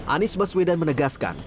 anies baswedan menegaskan